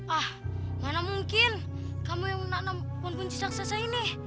ah mana mungkin kamu yang menanam pohon kunci raksasa ini